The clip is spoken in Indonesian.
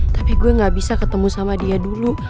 tapi gue gak bisa ketemu sama dia dulu